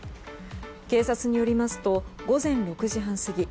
警察によりますと午前６時半過ぎ